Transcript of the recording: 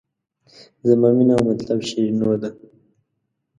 زما مینه او مطلب شیرینو ده.